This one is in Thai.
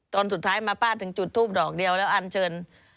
ตอนสุดท้ายมาป้าถึงจุดทูปดอกเดียวแล้วอันเชิญ